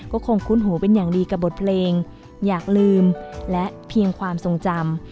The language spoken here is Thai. ก็คงคุ้นหูเป็นอย่างดีกับบทเพลงอยากลืมและเพียงความทรงจำ